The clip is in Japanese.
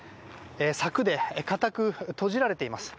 柵で固く閉じられています。